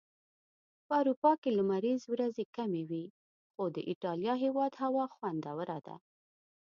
په اروپا کي لمريزي ورځي کمی وي.خو د ايټاليا هيواد هوا خوندوره ده